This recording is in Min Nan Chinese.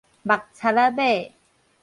墨賊仔馬